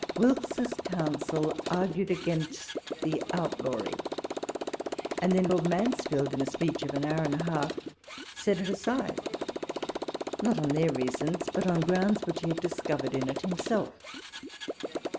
Wilkes's counsel argued against the outlawry, and then Lord Mansfield, in a speech of an hour and a half, set it aside ; not on ihcir reasons, but on grounds which he had discovered in it himself.